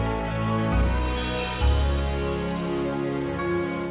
sampai jumpa lagi di video selanjutnya